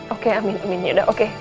oke amin amin ya udah oke